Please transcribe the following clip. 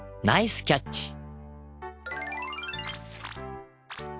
ナイスキャッチ！